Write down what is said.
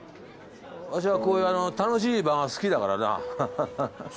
わしはこういう楽しい場が好きだからなハハハハハ。